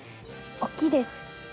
大きいです。